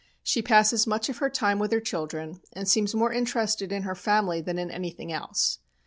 She passes much of her time with her children, and seems more interested in her family than in anything else.